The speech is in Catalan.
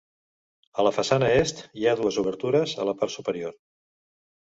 A la façana est, hi ha dues obertures a la part superior.